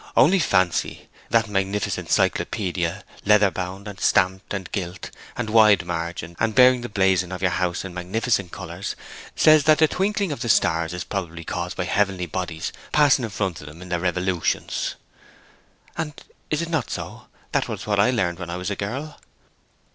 Only fancy, that magnificent Cyclopædia, leather bound, and stamped, and gilt, and wide margined, and bearing the blazon of your house in magnificent colours, says that the twinkling of the stars is probably caused by heavenly bodies passing in front of them in their revolutions.' 'And is it not so? That was what I learned when I was a girl.'